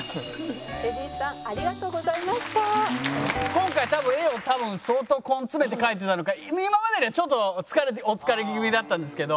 今回多分絵を相当根詰めて描いてたのか今までよりはちょっとお疲れ気味だったんですけど。